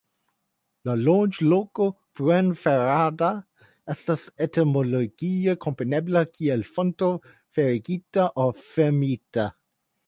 La loknomo "Fuenferrada" estas etimologie komprenebla kiel "Fonto ferigita" aŭ "fermita".